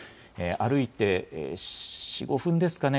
歩いて４、５分ですかね。